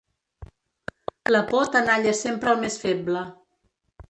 La por tenalla sempre el més feble.